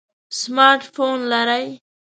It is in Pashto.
سمارټ فون لرئ؟